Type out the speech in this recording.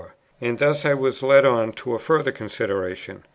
And thus I was led on to a further consideration.